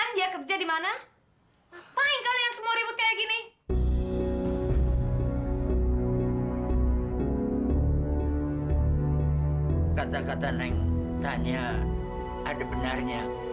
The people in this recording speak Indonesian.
siapa yang membayarkannya